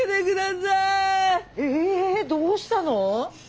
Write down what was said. ええどうしたの？